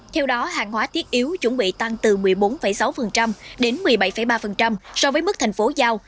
theo đó hàng hóa thiết yếu chuẩn bị tăng từ một mươi bốn sáu đến một mươi bảy ba so với mức thành phố giao